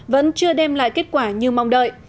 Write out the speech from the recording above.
vẫn chưa đem lại kết quả như mong đợi